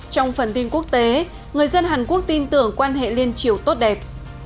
trong phần tin quốc tế người dân hàn quốc tin tưởng quan hệ liên triều tốt đẹp